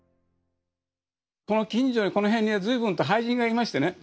この近所にこの辺には随分と俳人がいましてね。